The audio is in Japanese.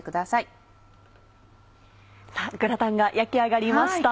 グラタンが焼き上がりました。